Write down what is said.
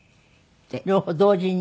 両方同時に。